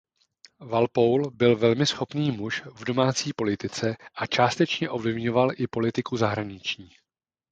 Walpole byl velmi schopný muž v domácí politice a částečně ovlivňoval i politiku zahraniční.